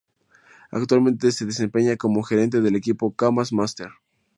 Actualmente se desempeña como Gerente del equipo Kamaz Master.